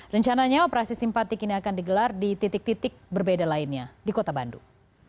rencananya operasi simpatik ini akan digelar di titik titik berbeda lainnya di kota bandung